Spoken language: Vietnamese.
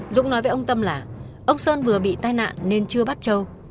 dũng nói với ông tâm là ông sơn vừa bị tai nạn nên chưa bắt châu